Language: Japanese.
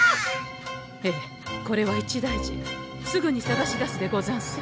ええこれは一大事すぐにさがし出すでござんす。